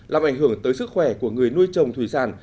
làm ảnh hưởng tới sức khỏe của người nuôi trồng thủy sản